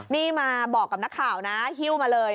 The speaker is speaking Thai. นี่มาบอกกับนักข่าวนะฮิ้วมาเลย